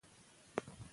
ایا خلک بد چلند کوي؟